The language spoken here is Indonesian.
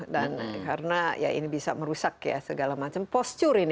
dan karena ya ini bisa merusak ya segala macam postur ini